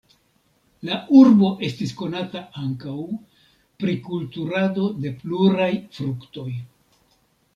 La urbo estis konata ankaŭ pri kulturado de pluraj fruktoj.